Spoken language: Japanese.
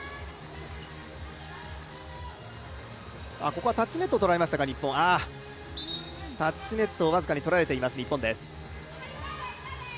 ここはタッチネット取られましたか、タッチネットを僅かにとられています、日本です。